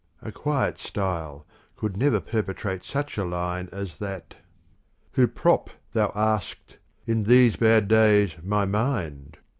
A quiet style could never perpetrate such a line as that Who prop, thou ask'st, in these bad days my mind?